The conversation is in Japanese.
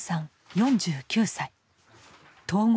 ４９歳統合